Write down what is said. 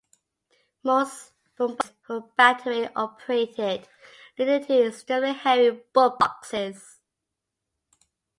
Most boomboxes were battery-operated, leading to extremely heavy, bulky boxes.